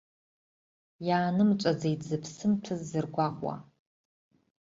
Иаанымҵәаӡеит зыԥсы мҭәыз зыргәаҟуа.